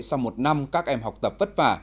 sau một năm các em học tập vất vả